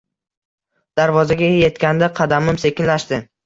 Darvozaga etganda qadamim sekinlashdi